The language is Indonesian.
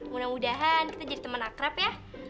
mudah mudahan kita jadi teman akrab ya